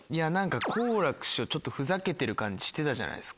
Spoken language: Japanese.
好楽師匠ちょっとふざけてる感じしてたじゃないっすか。